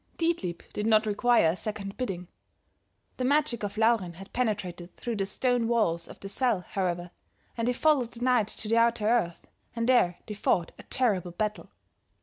"Dietlieb did not require a second bidding. The magic of Laurin had penetrated through the stone walls of the cell, however, and he followed the knight to the outer earth and there they fought a terrible battle.